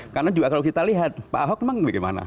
karena juga kalau kita lihat pak ahok memang gimana